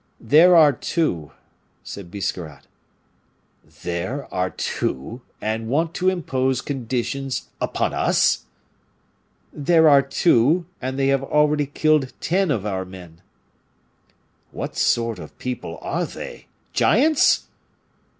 "There are two," said Biscarrat. "There are two and want to impose conditions upon us?" "There are two, and they have already killed ten of our men." "What sort of people are they giants?"